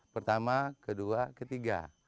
pertama kedua ketiga